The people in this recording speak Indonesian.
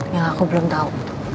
yang aku belum tahu